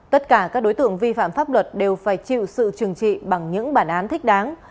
tất cả các đối tượng vi phạm pháp luật đều phải chịu sự trừng trị bằng những bản án thích đáng